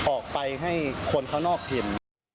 ออกไปให้คนข้างนอกเห็น